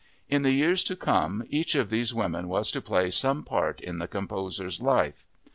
In the years to come each of these women was to play some part in the composer's life.